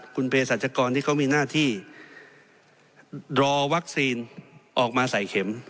คุณเพศรัชกรที่เขามีหน้าที่รอวัคซีนออกมาใส่เข็ม